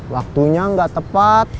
waktunya nggak tepat